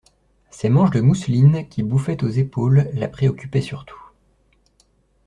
Ses manches de mousseline qui bouffaient aux épaules la préoccupaient surtout.